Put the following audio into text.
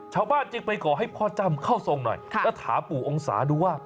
ชาวบ้านจึงไปขอให้พ่อจ้ำเข้าทรงหน่อยแล้วถามปู่องศาดูว่า